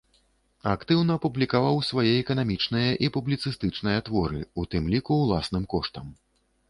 Актыўна публікаваў свае эканамічныя і публіцыстычныя творы, у тым ліку ўласным коштам.